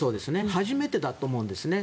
初めてだと思うんですね。